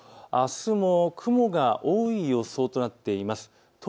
あすも雲が多い予想となっています。